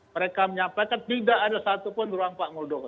mereka menyampaikan tidak ada satu pun ruang pak muldoko